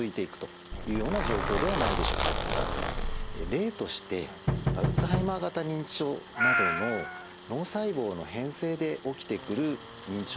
例としてアルツハイマー型認知症などの脳細胞の変性で起きてくる認知症があります。